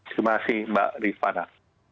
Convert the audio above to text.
terima kasih mbak rifana